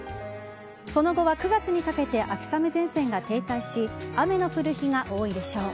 その後は９月にかけて秋雨前線が停滞し雨の降る日が多いでしょう。